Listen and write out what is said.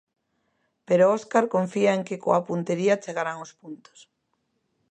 Pero Óscar confía en que coa puntería chegarán os puntos.